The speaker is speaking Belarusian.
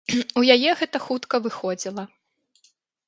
У яе гэта хутка выходзіла.